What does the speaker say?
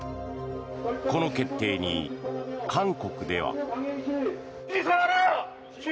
この決定に、韓国では。